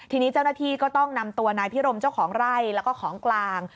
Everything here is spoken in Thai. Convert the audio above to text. ทีนี้เจ้าหน้าที่ก็ต้องนำตัวนายพิรมเจ้าของไร่แล้วก็ของกลาง